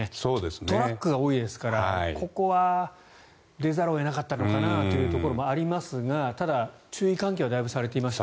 トラックが多いですからここは出ざるを得なかったのかなというところもありますがただ、注意喚起はだいぶされていました。